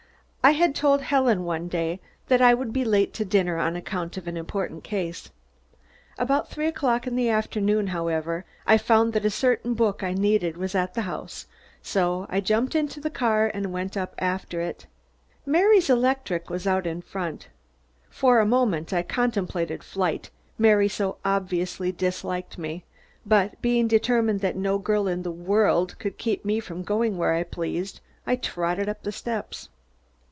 I had told Helen one day that I would be late to dinner on account of an important case. About three o'clock in the afternoon, however, I found that a certain book I needed was at the house, so I jumped into the car and went up after it. Mary's electric was out in front. For a moment I contemplated flight, Mary so obviously disliked me, but being determined that no girl in the world could keep me from going where I pleased, I trotted up the steps.